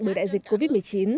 bởi đại dịch covid một mươi chín